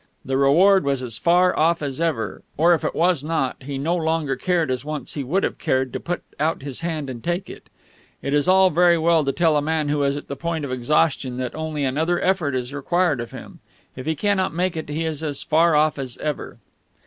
The reward was as far off as ever or if it was not, he no longer cared as once he would have cared to put out his hand and take it. It is all very well to tell a man who is at the point of exhaustion that only another effort is required of him; if he cannot make it he is as far off as ever....